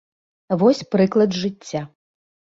Вось прыклад з жыцця.